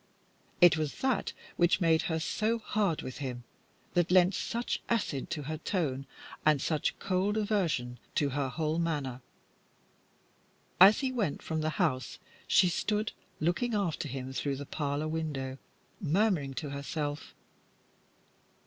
It was that which made her so hard with him, that lent such acid to her tone and such cold aversion to her whole manner. As he went from the house, she stood looking after him through the parlour window, murmuring to herself